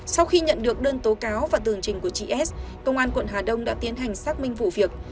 sau khi nhận được đơn tố cáo và tường trình của chị s công an quận hà đông đã tiến hành xác minh vụ việc